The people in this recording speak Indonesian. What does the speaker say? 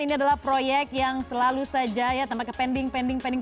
ini adalah proyek yang selalu saja ya tampaknya pending pending pending